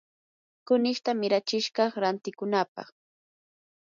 kunishta miratsishaq rantikunapaq.